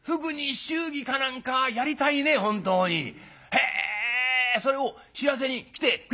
へえそれを知らせに来てくれた？」。